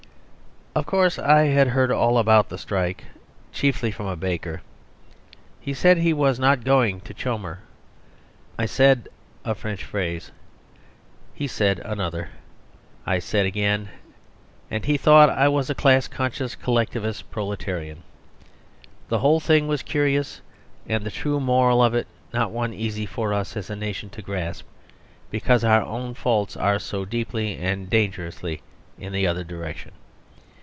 Of course, I had heard all about the strike, chiefly from a baker. He said he was not going to "Chomer." I said, "Qu'est ce que c'est que le chome?" He said, "Ils ne veulent pas travailler." I said, "Ni moi non plus," and he thought I was a class conscious collectivist proletarian. The whole thing was curious, and the true moral of it one not easy for us, as a nation, to grasp, because our own faults are so deeply and dangerously in the other direction.